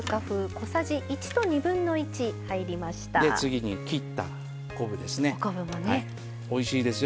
次に切った昆布ですね。